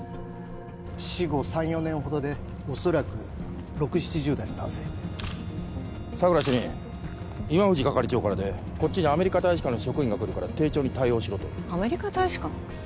死後３４年ほどでおそらく６０７０代の男性佐久良主任今藤係長からでこっちにアメリカ大使館の職員が来るから丁重に対応しろとアメリカ大使館？